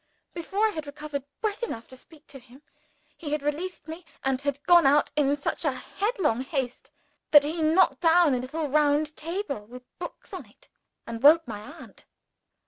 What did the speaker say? Before I had recovered breath enough to speak to him, he had released me, and had gone out in such headlong haste that he knocked down a little round table with books on it, and woke my aunt.